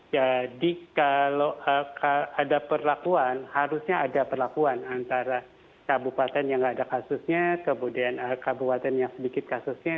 jadi kalau ada perlakuan harusnya ada perlakuan antara kabupaten yang tidak ada kasusnya kemudian kabupaten yang sedikit kasusnya